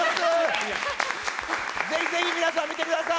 ぜひぜひ皆さん、見てください。